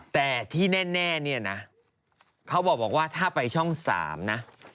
แต่ที่แน่เนี่ยนะเขาบอกว่าถ้าไปช่อง๓นะ